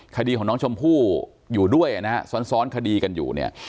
คดีของน้องชมพู่อยู่ด้วยนะฮะซ้อนคดีกันอยู่เนี่ย